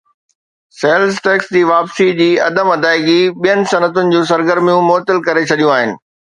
sales tax جي واپسي جي عدم ادائيگي ٻين صنعتن جون سرگرميون معطل ڪري ڇڏيون آهن